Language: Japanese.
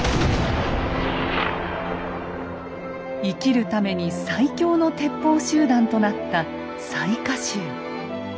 生きるために最強の鉄砲集団となった雑賀衆。